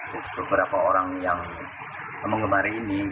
terus beberapa orang yang mengemari ini